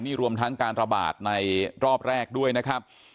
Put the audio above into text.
นี่รวมทั้งการระบาดในรอบแรกด้วยนะครับ